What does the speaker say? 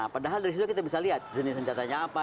padahal dari situ kita bisa lihat jenis senjatanya apa